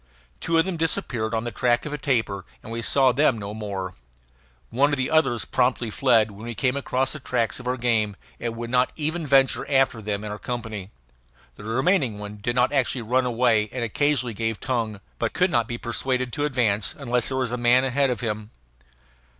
Two of them disappeared on the track of a tapir and we saw them no more; one of the others promptly fled when we came across the tracks of our game, and would not even venture after them in our company; the remaining one did not actually run away and occasionally gave tongue, but could not be persuaded to advance unless there was a man ahead of him.